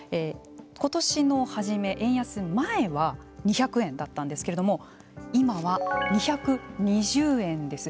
ことしの初め円安前は２００円だったんですけれども今は２２０円です。